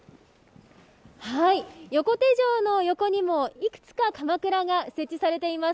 横手城の横にも、いくつかかまくらが設置されています。